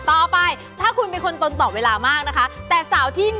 โอ๊ยคนเยอะต่อแถว